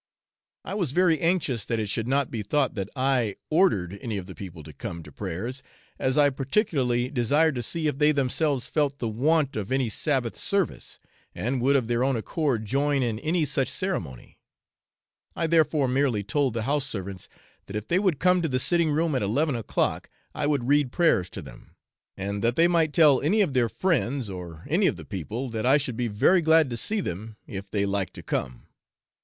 I was very anxious that it should not be thought that I ordered any of the people to come to prayers, as I particularly desired to see if they themselves felt the want of any Sabbath service, and would of their own accord join in any such ceremony; I therefore merely told the house servants that if they would come to the sitting room at eleven o'clock, I would read prayers to them, and that they might tell any of their friends or any of the people that I should be very glad to see them if they liked to come.